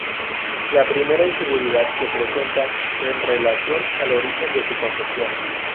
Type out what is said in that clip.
La primera inseguridad se presenta en relación al origen de su concepción.